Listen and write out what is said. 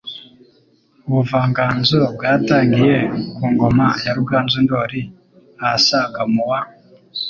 Ubuvanganzo bwatangiye ku ngoma ya Ruganzu Ndoli ahasaga mu wa